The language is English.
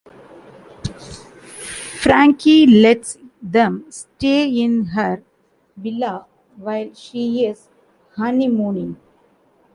Frankie lets them stay in her villa while she is honeymooning.